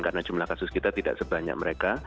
karena jumlah kasus kita tidak sebanyak mereka